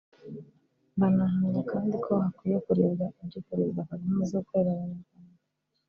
Banahamya kandi ko hakwiye kurebwa ibyo Perezida Kagame amaze gukorera Abanyarwanda